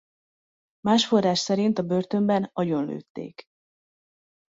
Más forrás szerint a börtönben agyonlőtték.